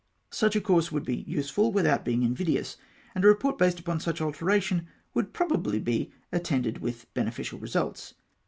Such a course would be useful without being invidious, and a report based upon such alteration would probably be attended with beneficial results.